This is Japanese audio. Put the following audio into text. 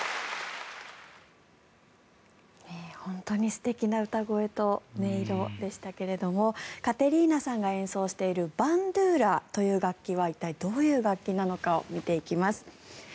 本当に素敵な歌声と音色でしたけれどもカテリーナさんが演奏しているバンドゥーラという楽器は一体、どういう楽器なのかを見ていきます。